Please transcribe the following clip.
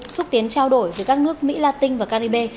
xúc tiến trao đổi với các nước mỹ la tinh và caribe